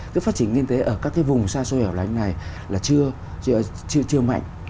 cái phát triển kinh tế ở các vùng xa xôi ở lãnh này là chưa mạnh